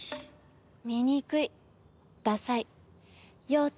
醜いダサい幼稚。